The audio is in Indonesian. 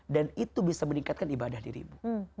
dan itu bisa meningkatkan ibadah dirimu